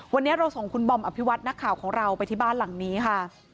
วันนี้เราส่งคุณบอมอภิวัตินักข่าวของเราไปที่บ้านหลังนี้ค่ะ